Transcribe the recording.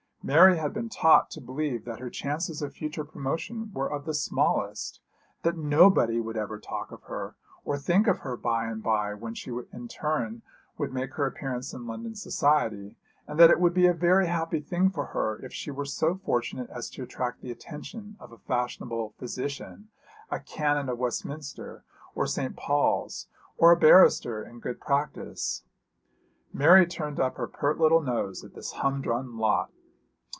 Mary had been taught to believe that her chances of future promotion were of the smallest; that nobody would ever talk of her, or think of her by and by when she in her turn would make her appearance in London society, and that it would be a very happy thing for her if she were so fortunate as to attract the attention of a fashionable physician, a Canon of Westminster or St. Paul's, or a barrister in good practice. Mary turned up her pert little nose at this humdrum lot.